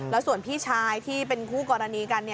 แล้วส่วนพี่ชายที่เป็นคู่กรณีกัน